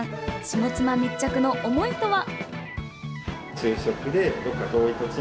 下妻密着の思いとは。